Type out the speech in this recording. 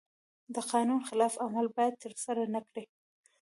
د قانون خلاف عمل باید ترسره نکړي.